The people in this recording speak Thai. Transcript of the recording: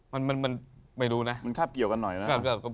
มันไม่รู้นะมันคาบเกี่ยวกันหน่อยไหม